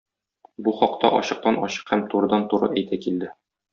Бу хакта ачыктан-ачык һәм турыдан-туры әйтә килде.